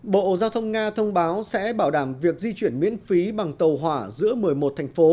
bộ giao thông nga thông báo sẽ bảo đảm việc di chuyển miễn phí bằng tàu hỏa giữa một mươi một thành phố